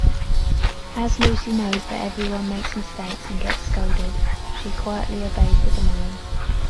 As Lucy knows that everyone makes mistakes and gets scolded, she quietly obeys the demands.